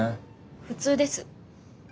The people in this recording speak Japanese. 普通です。